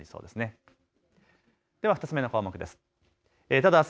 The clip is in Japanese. では２つ目の項目です。